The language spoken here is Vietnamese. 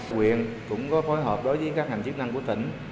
quyền cũng có phối hợp đối với các hành chức năng của tỉnh